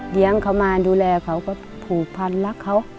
เดี๋ยงเขามาดูแลเขาก็ผูพรรณรักเขา